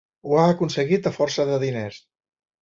Ho ha aconseguit a força de diners.